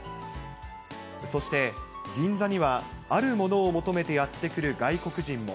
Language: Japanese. そして銀座には、あるものを求めてやって来る外国人も。